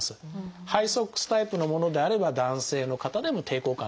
ハイソックスタイプのものであれば男性の方でも抵抗感